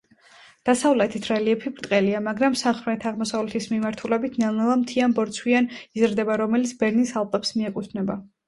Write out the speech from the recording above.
დასავლეთით, რელიეფი ბრტყელია, მაგრამ სამხრეთ-აღმოსავლეთის მიმართულებით ნელ-ნელა მთიან ბორცვიან იზრდება, რომელიც ბერნის ალპებს მიეკუთვნება.